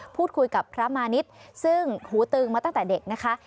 พูดคุยกับพระมาณิชย์ซึ่งหูตึงมาตั้งแต่เด็กนะคะ